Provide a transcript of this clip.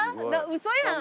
嘘やん！